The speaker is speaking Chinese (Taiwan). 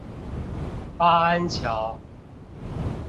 八安橋